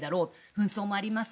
紛争もあります